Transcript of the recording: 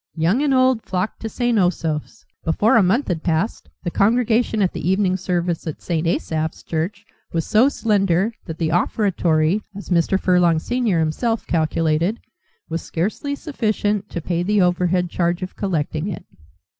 Young and old flocked to St. Osoph's. Before a month had passed the congregation at the evening service at St. Asaph's Church was so slender that the offertory, as Mr. Furlong senior himself calculated, was scarcely sufficient to pay the overhead charge of collecting it.